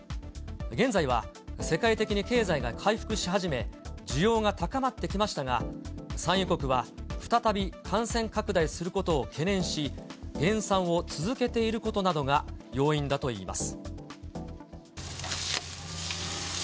現在は世界的に経済が回復し始め、需要が高まってきましたが、産油国は再び感染拡大することを懸念し、減産を続けていることなどが要因だといいます。